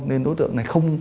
nên đối tượng này